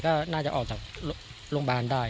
ก็น่าจะออกจากโรงพยาบาลได้